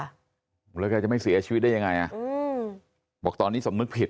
แต่แก้วจะไม่เสียชีวิตได้ยังไงบอกตอนนี้สำนึงผิด